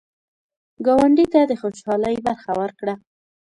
ګاونډي ته د خوشحالۍ برخه ورکړه